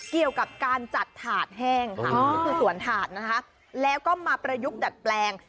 เกี่ยวกับการจัดถาดแห้งค่ะนี่คือสวนถาดนะคะแล้วก็มาประยุกต์ดัดแปลง